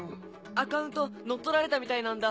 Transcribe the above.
アカウント乗っ取られたみたいなんだ。